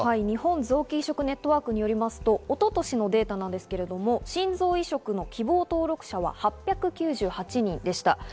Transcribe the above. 日本臓器移植ネットワークによりますと一昨年のデータですが心臓移植の希望登録者は８９８人でした。